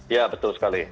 ya betul sekali